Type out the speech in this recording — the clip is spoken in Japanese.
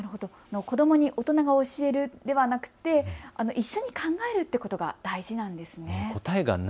子どもに大人が教えるではなくて一緒に考えるということが大事なんですね。